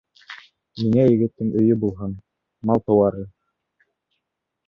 Миңә егеттең өйө булһын, мал-тыуары!..